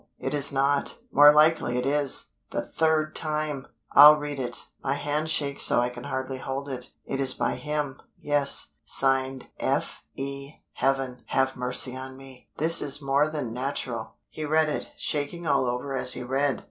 it is not more likely it is The third time! I'll read it. My hands shake so I can hardly hold it. It is by him yes signed F. E. Heaven, have mercy on me! This is more than natural." He read it, shaking all over as he read.